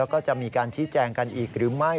แล้วก็จะมีการชี้แจงกันอีกหรือไม่